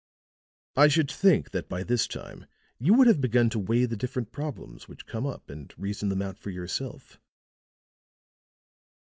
I should think that by this time you would have begun to weigh the different problems which come up and reason them out for yourself."